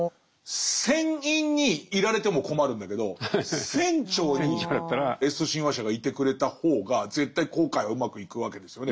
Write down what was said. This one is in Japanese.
船員にいられても困るんだけど船長にＳ親和者がいてくれた方が絶対航海はうまくいくわけですよね。